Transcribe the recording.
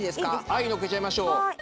はいのっけちゃいましょう。